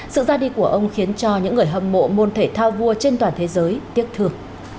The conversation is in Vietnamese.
sự ra đi của ông khiến cho những người hâm mộ môn thể thao vua trên toàn thế giới tiếc thương